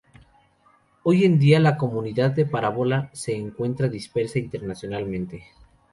Hoy en día la comunidad de Parábola se encuentra dispersa internacionalmente.